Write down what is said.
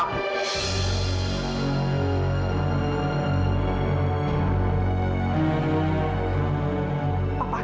dia di sini